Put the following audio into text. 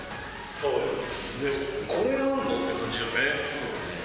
そうですね。